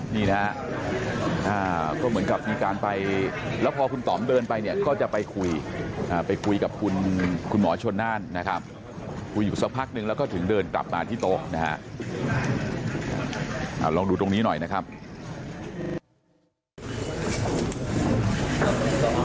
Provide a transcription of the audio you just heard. นี่นะฮะก็เหมือนกับมีการไปแล้วพอคุณต่อมเดินไปเนี่ยก็จะไปคุยไปคุยกับคุณหมอชนน่านนะครับคุยอยู่สักพักนึงแล้วก็ถึงเดินกลับมาที่โต๊ะนะฮะลองดูตรงนี้หน่อยนะครับ